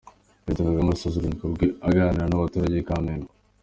Perezida Kagame arasoza uruzinduko rwe aganira n’abaturage i Kamembe